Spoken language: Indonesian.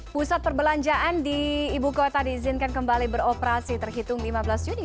pusat perbelanjaan di ibu kota diizinkan kembali beroperasi terhitung lima belas juni